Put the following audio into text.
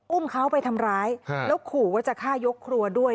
อุ้มเขาไปทำร้ายแล้วขู่ว่าจะฆ่ายกครัวด้วย